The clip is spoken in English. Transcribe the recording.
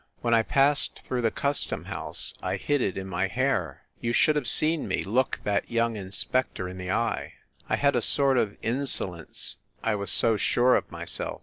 When I passed through the custom house I hid it in my hair. You should have seen me look that young inspector in the eye ! I had a sort of insolence, I was so sure of myself.